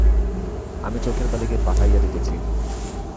আমি চোখের বালিকে পাঠাইয়া দিতেছি।